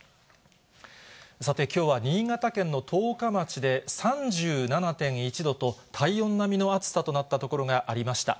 さて、きょうは新潟県の十日町で３７．１度と、体温並みの暑さとなった所がありました。